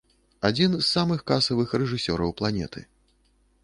Адзін з самых касавых рэжысёраў планеты.